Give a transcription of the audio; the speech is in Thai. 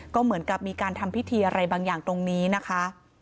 ก็เหมือนกับมีการทำพิธีอะไรบางอย่างตรงนี้นะคะ